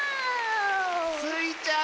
スイちゃん